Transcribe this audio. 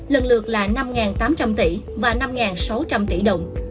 lần lượt là năm tám trăm linh tỷ và năm sáu trăm linh tỷ đồng